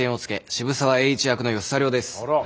渋沢栄一役の吉沢亮です。